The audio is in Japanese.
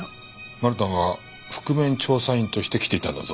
マルタンは覆面調査員として来ていたんだぞ。